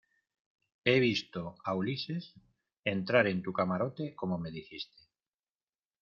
he visto a Ulises entrar en tu camarote, como me dijiste.